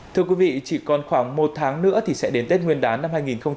thưa quý vị chỉ còn khoảng một tháng nữa thì sẽ đến tết nguyên đán năm hai nghìn hai mươi